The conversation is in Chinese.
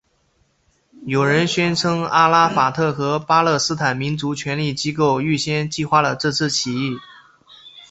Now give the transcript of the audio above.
有人宣称阿拉法特和巴勒斯坦民族权力机构预先计划了这次起义。